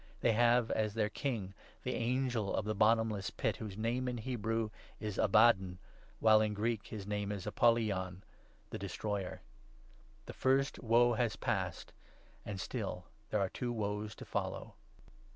They have as their 1 1 king the Angel of the bottomless pit, whose name, in Hebrew, is 'Abaddon,' while, in Greek, his name is ' Apollyon ' (the Destroyer). The first Woe has passed ; and still there are two Woes to 12 follow